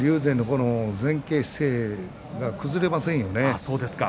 この竜電の前傾姿勢が崩れませんよね。